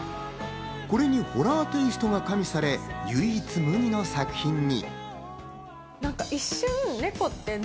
これにホラーテイストが加味され唯一無二の作品に。